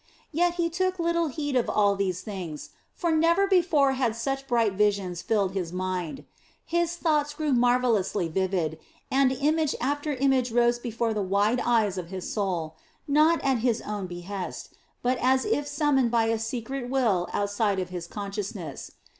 Yet he took little heed of all these things, for never before had such bright visions filled his mind. His thoughts grew marvellously vivid, and image after image rose before the wide eyes of his soul, not at his own behest, but as if summoned by a secret will outside of his consciousness.